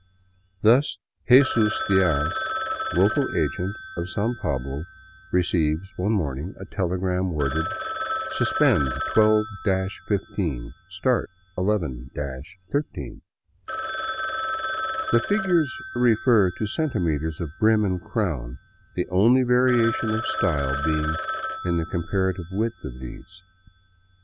Thus Jesus Diaz, local agent of San Pablo, receives one morning a telegram worded :*' Suspend 12 15 5 start 11 13." The figures refer to centimeters of brim and crown, the only varia tion of style being in the comparative width of these.